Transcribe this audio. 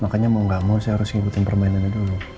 makanya mau gak mau saya harus ngikutin permainannya dulu